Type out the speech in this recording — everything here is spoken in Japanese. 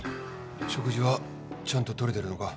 食事はちゃんととれてるのか？